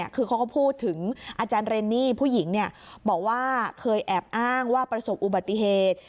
คือเขาก็พูดถึงอาจารย์เรนนี่ผู้หญิงบอกว่าเคยแอบอ้างว่าประสบอุบัติเหตุ